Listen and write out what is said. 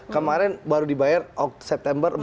kemarin baru dibayar september empat belas